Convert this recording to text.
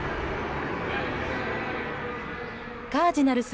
カージナルス